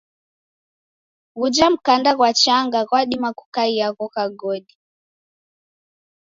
Ghuja mkanda ghwa chaja ghwadima kukaia ghoka godi.